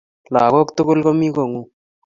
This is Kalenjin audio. Lagok tugul komi kongul.